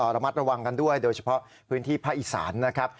ระมัดระวังกันด้วยโดยเฉพาะพื้นที่ภาคอีสานนะครับ